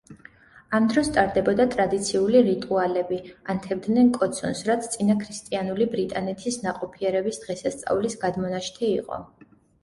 ამ დროს ტარდებოდა ტრადიციული რიტუალები, ანთებდნენ კოცონს, რაც წინაქრისტიანული ბრიტანეთის ნაყოფიერების დღესასწაულის გადმონაშთი იყო.